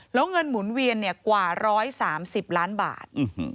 แล้วเงินหมุนเวียนกว่า๑๓๐ล้านบาท